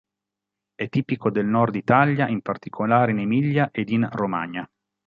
È tipico del Nord Italia, in particolare in Emilia ed in Romagna.